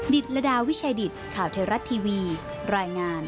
ดิตรดาวิชาดิตข่าวเทราะท์ทีวีรายงาน